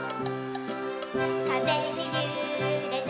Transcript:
「かぜにゆれて」